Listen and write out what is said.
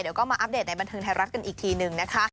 เดี๋ยวก็มาอัปเดตในบันเทิงไทยรัฐกันอีกทีนึงนะคะ